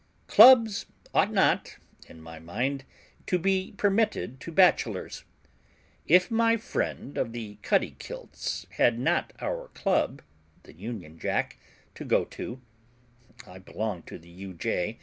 Clubs ought not, in my mind, to be permitted to bachelors. If my friend of the Cuttykilts had not our club, the 'Union Jack,' to go to (I belong to the 'U.J.